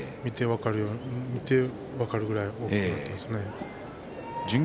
見て分かるくらい大きくなっています。